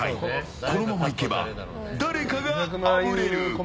このままいけば、誰かがあぶれる。